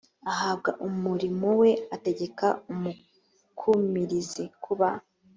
ahabwa umurimo we ategeka umukumirizi kuba